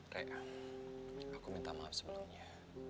rekan aku minta maaf sebelumnya